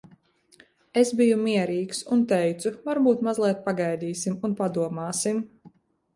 Es biju mierīgs. Un teicu, "Varbūt mazliet pagaidīsim un padomāsim?